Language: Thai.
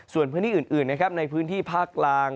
ส่วนพื้นที่อื่นนะครับในพื้นที่ภาคกลาง